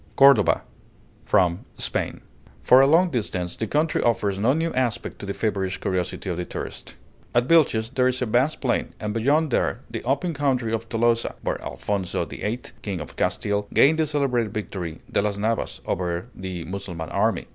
CORDOVA From 'Spain' For a long distance the country offers no new aspect to the feverish curiosity of the tourist. At Vilches there is a vast plain, and beyond there the open country of Tolosa, where Alphonso VIII., King of Castile, gained the celebrated victory "de las Navas" over the Mussulman army.